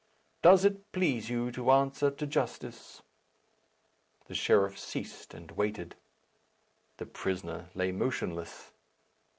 Does it please you to answer to justice?" The sheriff ceased and waited. The prisoner lay motionless.